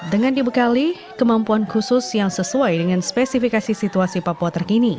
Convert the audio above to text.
dengan dibekali kemampuan khusus yang sesuai dengan spesifikasi situasi papua terkini